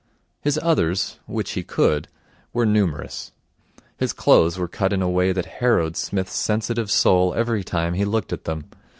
His others which he could were numerous. His clothes were cut in a way that harrowed Psmith's sensitive soul every time he looked at them.